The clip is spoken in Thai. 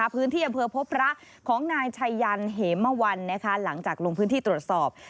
อำเภอพบพระของนายชัยยันเหมวันหลังจากลงพื้นที่ตรวจสอบ